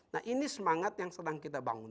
nah ini semangat yang sedang kita bangun